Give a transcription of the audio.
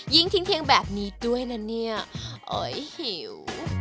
ทิ้งเพียงแบบนี้ด้วยนะเนี่ยอ๋อยหิว